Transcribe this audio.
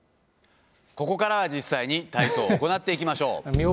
ここからは実際に体操を行っていきましょう。